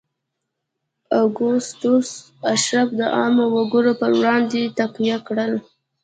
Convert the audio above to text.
اګوستوس اشراف د عامو وګړو پر وړاندې تقویه کړل.